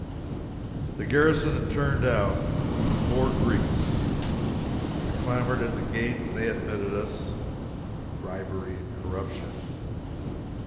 The garrison had turned out four Greeks. We clamored at the gate, and they admitted us. [Bribery and corruption.